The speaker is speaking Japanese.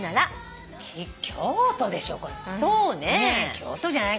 京都じゃない？